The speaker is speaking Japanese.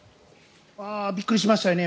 びっくりしましたね。